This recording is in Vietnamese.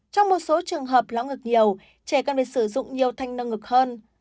trong một số trường hợp lão ngực nhiều trẻ cần phải sử dụng nhiều thanh nâng ngực hơn